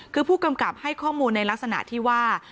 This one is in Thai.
คือผู้กำกับให้ข้อมูลในลักษณะที่ว่า